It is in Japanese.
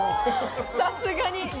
さすがに。